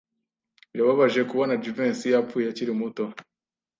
Birababaje kubona Jivency yapfuye akiri muto.